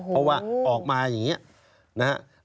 เพราะว่าออกมาอย่างนี้